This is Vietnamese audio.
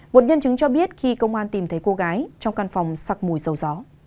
một nhân chứng cho biết khi công an tìm thấy cô gái trong căn phòng sặc mùi dầu gió